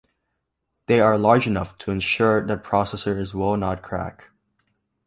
They are large enough to ensure that processors will not crack.